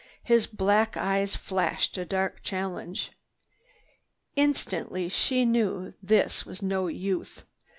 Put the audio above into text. His black eyes flashed a dark challenge. Instantly she knew this was no youth.